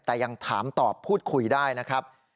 แต่ยังถามตอบพูดคุยได้นะครับ